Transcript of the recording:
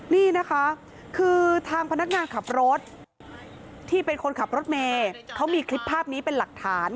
นี่นะคะคือทางพนักงานขับรถที่เป็นคนขับรถเมย์เขามีคลิปภาพนี้เป็นหลักฐาน